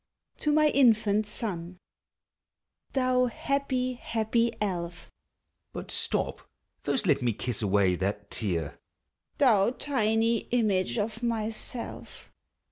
TO MY INFANT SON. Thou happy, happy elf ! (But stop, first let me kiss away that tear,) Thou tiny image of myself!